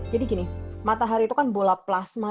jadi gini matahari itu kan bola plasma